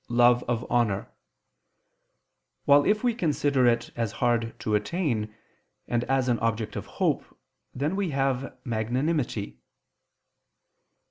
love of honor: while if we consider it as hard to attain, and as an object of hope, then we have _magnanimity.